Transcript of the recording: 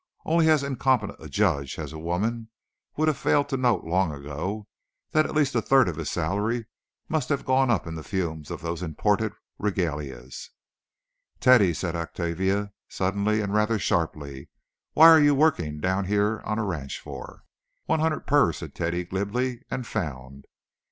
Only as incompetent a judge as a woman would have failed to note long ago that at least a third of his salary must have gone up in the fumes of those imported Regalias. "Teddy," said Octavia, suddenly, and rather sharply, "what are you working down here on a ranch for?" "One hundred per," said Teddy, glibly, "and found."